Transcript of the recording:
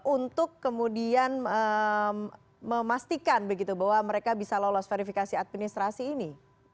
untuk kemudian memastikan begitu bahwa mereka bisa lolos verifikasi administrasi ini